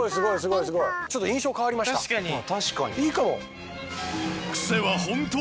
いいかも。